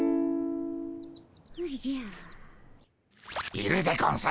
いるでゴンス！